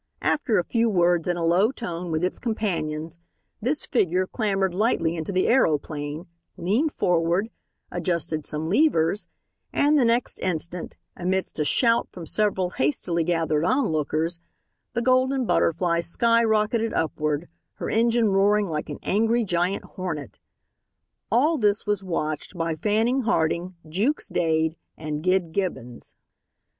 After a few words in a low tone with its companions, this figure clambered lightly into the aeroplane, leaned forward, adjusted some levers, and the next instant, amidst a shout from several hastily gathered onlookers, the Golden Butterfly skyrocketed upward, her engine roaring like an angry giant hornet. All this was watched by Fanning Harding, Jukes Dade, and Gid Gibbons.